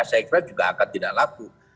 saya kira juga akan tidak laku